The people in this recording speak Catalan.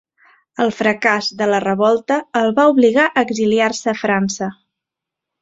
El fracàs de la revolta el va obligar a exiliar-se a França.